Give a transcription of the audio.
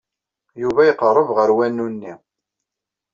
Yuba iqerreb ɣer wanu-nni.